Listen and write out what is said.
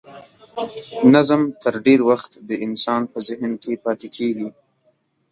نظم تر ډېر وخت د انسان په ذهن کې پاتې کیږي.